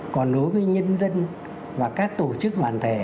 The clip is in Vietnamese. còn đối với nhân dân và các tổ chức bản thể